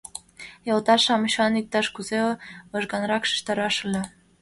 Йолташ-шамычлан иктаж-кузе лыжганрак шижтараш ыле...